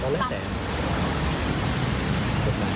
ในสถานที่การโหวตด้วยไหมคะ